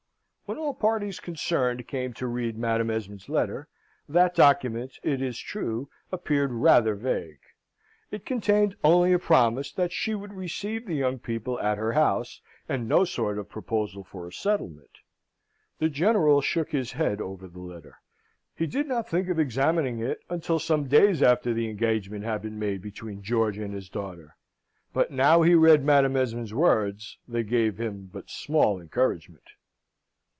When all parties concerned came to read Madam Esmond's letter, that document, it is true, appeared rather vague. It contained only a promise that she would receive the young people at her house, and no sort of proposal for a settlement. The General shook his head over the letter he did not think of examining it until some days after the engagement had been made between George and his daughter: but now he read Madam Esmond's words, they gave him but small encouragement.